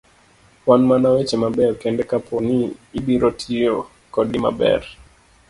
Wan mana weche mabeyo kende kaponi ibiro tiyo kodgi maber.